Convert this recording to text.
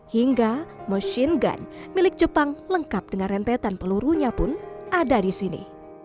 hingga machine gun milik jepang lengkap dengan rentetan pelurunya pun ada di sini